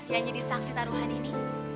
yang jadi saksi taruhan ini